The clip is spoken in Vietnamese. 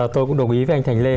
tôi cũng đồng ý với anh thành lê